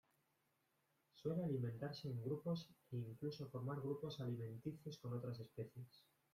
Suele alimentarse en grupos e incluso formar grupos alimenticios con otras especies.